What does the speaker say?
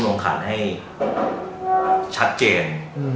ผู้ร่วมลงขาดให้ชัดเจน